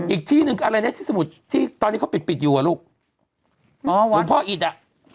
อีกที่นึงอะไรเนี่ยที่สมุทรที่ตอนนี้เขาปิดอยู่อ่ะลูกหรือพ่ออิตอ่ะ